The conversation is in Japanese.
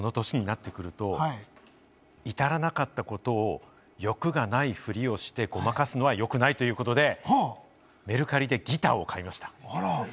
この歳になってくると、至らなかったことを欲がないふりをして、ごまかすのは良くないということで、メルカリでギターを買いました。